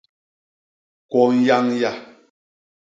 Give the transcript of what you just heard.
Kwo nyañya.